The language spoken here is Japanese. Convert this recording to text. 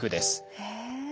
へえ。